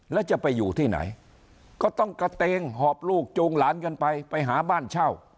แล้วจะไปอยู่ที่ไหนก็ต้องกระเตงหอบลูกจูงหลานกันไปไปหาบ้านเช่า